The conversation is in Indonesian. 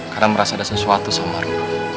karena merasa ada sesuatu sama ru